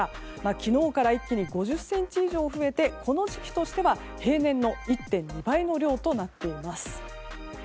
昨日から一気に５０ｃｍ以上増えてこの時期としては平年の１．２倍の量となっています。